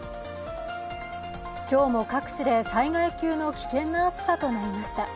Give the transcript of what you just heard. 今日も各地で災害級の危険な暑さとなりました。